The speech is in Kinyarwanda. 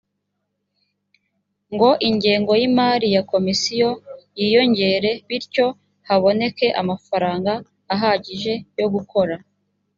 ngo ingengo y imari ya komisiyo yiyongere bityo haboneke amafaranga ahagije yo gukora